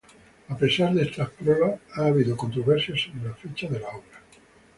A pesar de estas pruebas, ha habido controversias sobre la fecha de la obra.